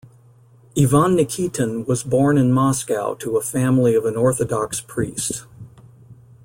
Ivan Nikitin was born in Moscow to a family of an Orthodox priest.